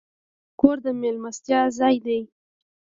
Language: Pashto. کور د میلمستیا ځای دی.